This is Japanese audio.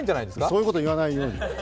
そういうこと言わないように。